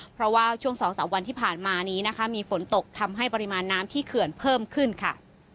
เพราะว่าช่วง๒๓วันที่ผ่านมานี้นะคะมีฝนตกทำให้ปริมาณน้ำที่เขื่อนเพิ่มขึ้นค่ะ